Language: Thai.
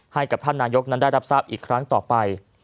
ให้กับท่านนายกนั้นได้รับทราบอีกครั้งต่อไป